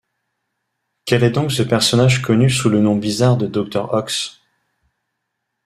Quel est donc ce personnage connu sous le nom bizarre de docteur Ox?